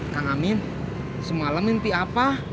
kang amin semalam inti apa